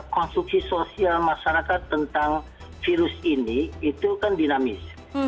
konstruksi sosial masyarakat tentang virus ini itu kan dinamis